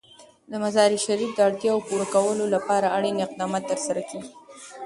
د مزارشریف د اړتیاوو پوره کولو لپاره اړین اقدامات ترسره کېږي.